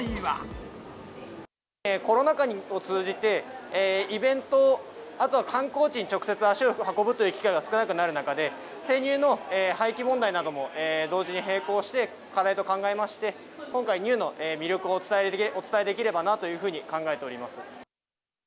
コロナ禍を通じて、イベント、あとは観光地に直接、足を運ぶという機会が少なくなる中で、生乳の廃棄問題なども同時に並行して課題と考えまして、今回、乳の魅力をお伝えできればなというふうに考えております。